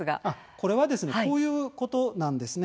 それはこういうことなんです。